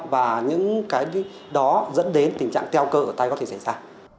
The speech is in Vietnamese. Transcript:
và những cái đó dẫn đến tình trạng teo cơ ở tay có thể xảy ra